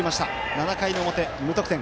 ７回の表、無得点。